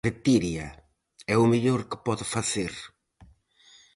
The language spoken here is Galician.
¡Retírea! É o mellor que pode facer.